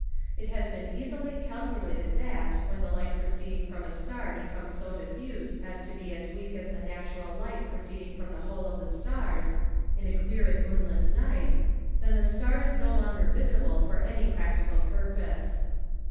It has been easily calculated that, when the light proceeding from a star becomes so diffused as to be as weak as the natural light proceeding from the whole of the stars, in a clear and moonless night, then the star is no longer visible for any practical purpose.